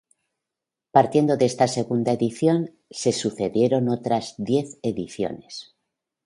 Partiendo de esta segunda edición se sucedieron otras diez ediciones.